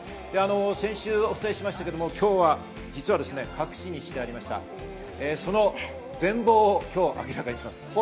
先週お伝えしましたが、今日は実は隠しにしましたが全貌を今日、明らかにします。